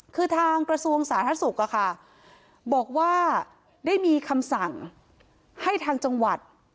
คือทางกระทรวงสาธารณสุขอะค่ะบอกว่าได้มีคำสั่งให้ทางจังหวัด